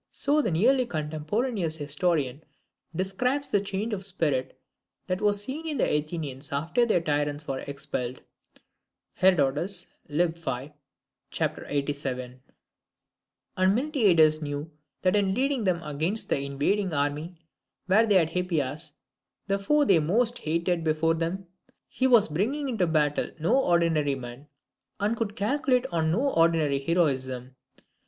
So the nearly contemporaneous historian describes the change of spirit that was seen in the Athenians after their tyrants were expelled; [Herod. lib. v. c. 87.] and Miltiades knew that in leading them against the invading army, where they had Hippias, the foe they most hated, before them, he was bringing into battle no ordinary men, and could calculate on no ordinary heroism.